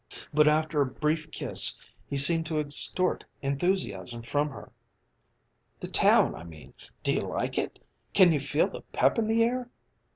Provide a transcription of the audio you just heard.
But after a brief kiss he seemed to extort enthusiasm from her. "The town, I mean. Do you like it? Can you feel the pep in the air?"